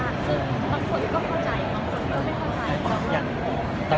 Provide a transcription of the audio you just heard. แต่อยู่ใจนึกเราก็เป็นตัวสัมพวน